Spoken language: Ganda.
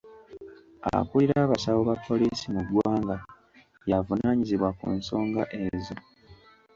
Akulira abasawo ba poliisi mu ggwanga y'avunaanyizibwa ku nsonga ezo.